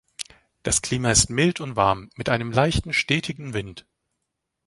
Das Klima ist mild und warm, mit einem leichten stetigen Wind.